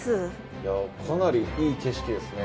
いやかなりいい景色ですね